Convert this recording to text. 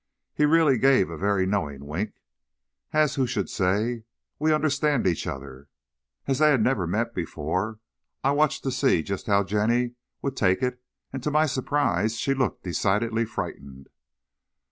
He really gave a very knowing wink, as who should say: "We understand each other." As they had never met before, I watched to see just how Jenny would take it, and to my surprise she looked decidedly frightened.